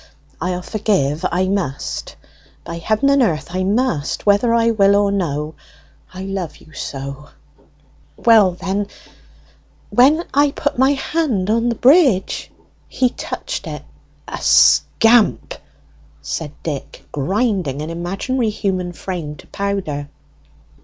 I'll forgive; I must, by heaven and earth, I must, whether I will or no; I love you so!" "Well, when I put my hand on the bridge, he touched it " "A scamp!" said Dick, grinding an imaginary human frame to powder.